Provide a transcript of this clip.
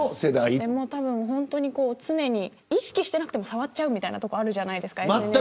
常に意識してなくても触っちゃうみたいなところがあるじゃないですか。